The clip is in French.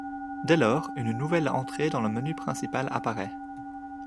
Dès lors, une nouvelle entrée dans le menu principal apparaît.